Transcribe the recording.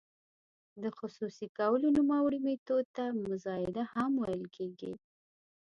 د خصوصي کولو نوموړي میتود ته مزایده هم ویل کیږي.